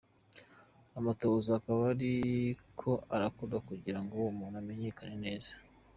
Amatohoza ''akaba ariko arakorwa'' kugira uwo muntu amenyekane neza.